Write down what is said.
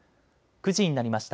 ９時になりました。